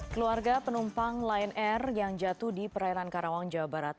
keluarga penumpang lion air yang jatuh di perairan karawang jawa barat